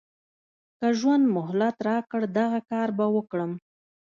که ژوند مهلت راکړ دغه کار به وکړم.